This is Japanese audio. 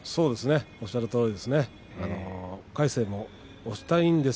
おっしゃるとおりです。